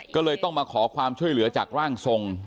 ก็เลยต้องมาขอความช่วยเหลือจากร่างทรง